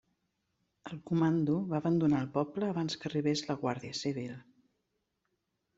El comando va abandonar el poble abans que arribés la Guàrdia Civil.